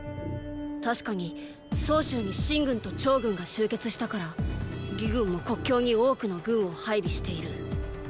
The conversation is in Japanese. たしかに曹州に秦軍と趙軍が集結したから魏軍も国境に多くの軍を配備している。